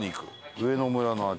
上野村の味。